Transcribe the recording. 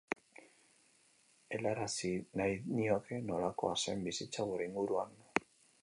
Helarazi nahi nioke nolakoa zen bizitza gure inguruan.